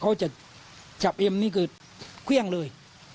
เขาจะจับเอ็มนี่คือเครื่องเลย